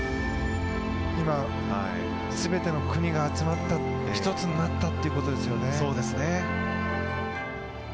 今、全ての国が集まった、一つになったということですよね。